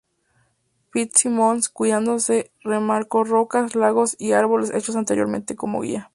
Fitzsimmons cuidadosamente remarcó rocas, lagos y árboles hechos anteriormente como guía.